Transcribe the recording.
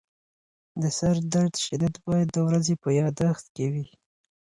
د سردرد شدت باید د ورځې په یادښت کې وي.